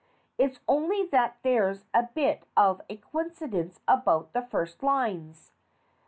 It's only that there's a bit of a coincidence about the first lines.